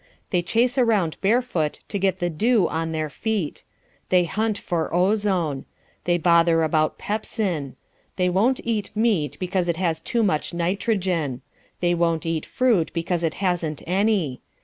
They chase around barefoot to get the dew on their feet. They hunt for ozone. They bother about pepsin. They won't eat meat because it has too much nitrogen. They won't eat fruit because it hasn't any.